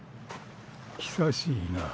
久しいな。